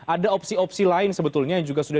ada opsi opsi lain sebetulnya yang juga sudah